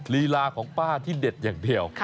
ลีลาของป้าที่เด็ดอย่างเดียว